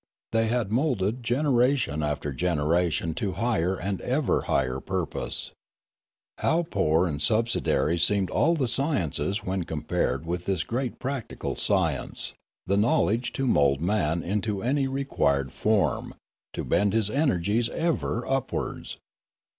They had moulded generation after generation to higher and ever higher purpose. How poor and subsidiary seemed all the sciences when compared with Fialume 7S this great practical science, the knowledge to mould man into any required form, to bend his energies ever upwards!